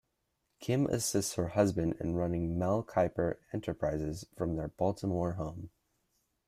Kim assists her husband in running Mel Kiper Enterprises from their Baltimore home.